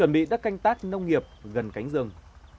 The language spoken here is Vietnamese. vị đất canh tác nông nghiệp gần cánh rừng